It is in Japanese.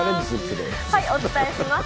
お伝えします。